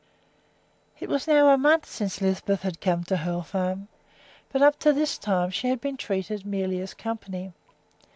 It was now a month since Lisbeth had come to Hoel Farm, but up to this time she had been treated merely as company.